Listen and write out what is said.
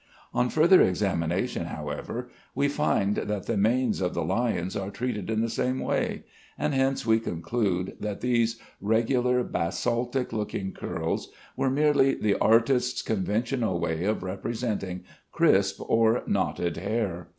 On further examination, however, we find that the manes of the lions are treated in the same way, and hence we conclude that these regular, basaltic looking curls were merely the artist's conventional way of representing crisp or knotted hair.